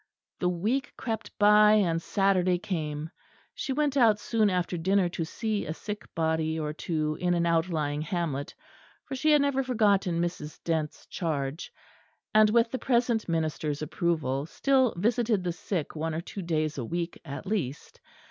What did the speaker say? The week crept by, and Saturday came. She went out soon after dinner to see a sick body or two in an outlying hamlet; for she had never forgotten Mrs. Dent's charge, and, with the present minister's approval, still visited the sick one or two days a week at least.